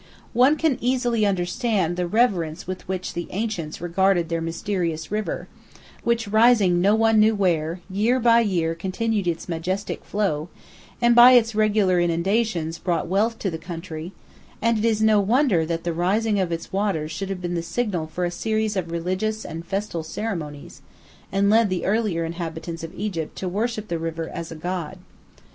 ] One can easily understand the reverence with which the ancients regarded their mysterious river, which, rising no one knew where, year by year continued its majestic flow, and by its regular inundations brought wealth to the country, and it is no wonder that the rising of its waters should have been the signal for a series of religious and festal ceremonies, and led the earlier inhabitants of Egypt to worship the river as a god.